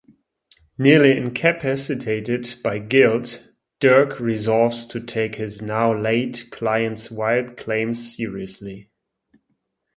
Nearly incapacitated by guilt, Dirk resolves to take his now-late client's wild claims seriously.